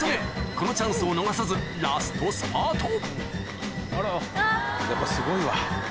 このチャンスを逃さずラストスパートやっぱすごいわ。